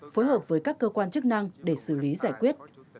phối hợp với các cơ quan chức năng để xử lý giải quyết